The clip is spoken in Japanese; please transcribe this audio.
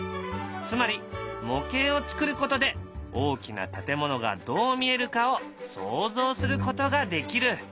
つまり模型を作ることで大きな建物がどう見えるかを想像することができる。